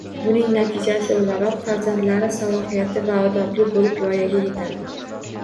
Buning natijasi o‘laroq farzandlari salohiyati va odobli bo‘lib voyaga yetadi